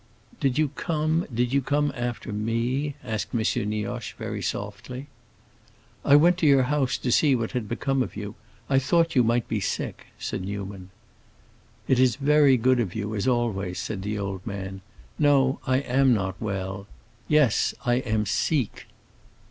"Did you come—did you come after me?" asked M. Nioche very softly. "I went to your house to see what had become of you. I thought you might be sick," said Newman. "It is very good of you, as always," said the old man. "No, I am not well. Yes, I am seek."